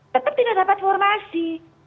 tetap tidak dapat formasi